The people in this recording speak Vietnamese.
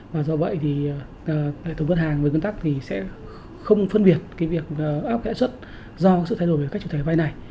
và do vậy thì tổng vấn hàng với ngân tắc thì sẽ không phân biệt cái việc áp kẻ xuất do sự thay đổi về cách chủ thể vay này